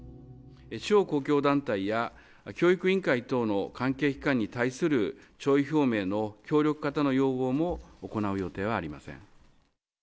地方公共団体や、教育委員会等の関係機関に対する弔意表明の協力かたの要望も行う予定はありません。